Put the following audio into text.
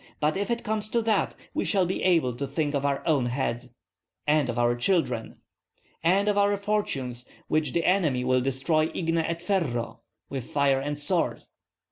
But if it comes to that, we shall be able to think of our own heads." "And of our children." "And of our fortunes, which the enemy will destroy igne et ferro (with fire and sword)."